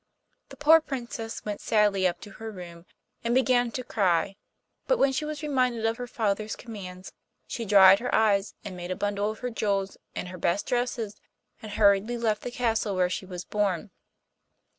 The poor Princess went sadly up to her room and began to cry, but when she was reminded of her father's commands, she dried her eyes, and made a bundle of her jewels and her best dresses and hurriedly left the castle where she was born.